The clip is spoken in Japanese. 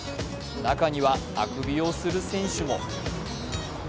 中にはあくびをする選手も。